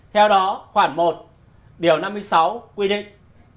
theo đó khoảng một điều năm mươi sáu quy định